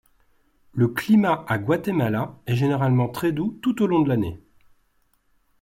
Le climat à Guatemala est généralement très doux tout au long de l'année.